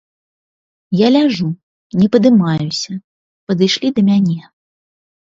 Я ляжу, не падымаюся, падышлі да мяне.